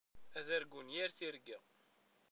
Ad argun yir tirga.